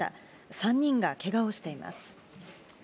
３人がけがをしています。